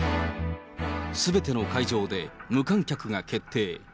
すべての会場で無観客が決定。